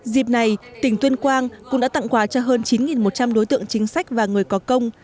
dịp này tỉnh tuyên quang cũng đã tặng quà cho hơn chín một trăm linh đối tượng chính sách và người có công